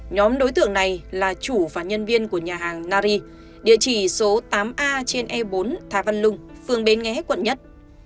nhóm đối tượng này là chủ và nhân viên của nhà hàng nari địa chỉ số tám a trên e bốn thà văn lung phường bến nghé quận một